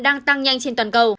đang tăng nhanh trên toàn cầu